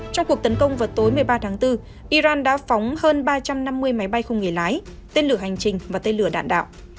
trong cuộc tấn công vào tối một mươi ba tháng bốn iran đã phóng hơn ba trăm năm mươi máy bay không người lái tên lửa hành trình và tên lửa đạn đạo